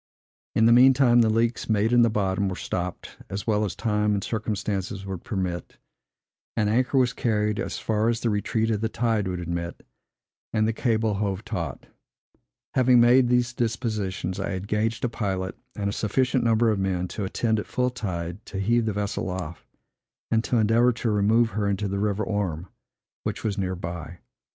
In the mean time, the leaks, made in the bottom, were stopped, as well as time and circumstances would permit; an anchor was carried as far as the retreat of the tide would admit, and the cable hove taut. Having made these dispositions, I engaged a pilot and a sufficient number of men, to attend, at full tide, to heave the vessel off, and to endeavor to remove her into the river Orme, which was near by.